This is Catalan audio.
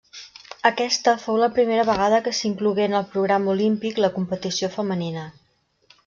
Aquesta fou la primera vegada que s'inclogué en el programa olímpic la competició femenina.